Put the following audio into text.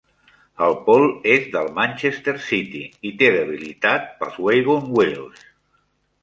El Paul és del Manchester City i té debilitat pels Wagon Wheels.